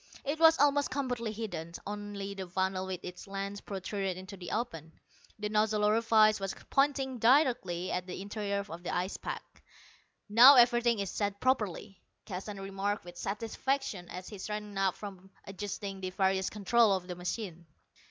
It was almost completely hidden; only the funnel with its lens protruded into the open. The nozzle orifice was pointing directly at the interior of the ice pack. "Now everything is set properly," Keston remarked with satisfaction as he straightened up from adjusting the various controls on the machine.